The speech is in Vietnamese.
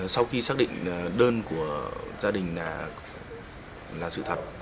sau khi xác định đơn của gia đình là sự thật